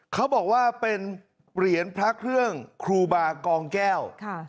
เขาบอกว่าเป็นเหรียญพระเครื่องครูบากองแก้ว